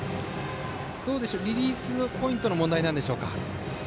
リリースポイントの問題でしょうか。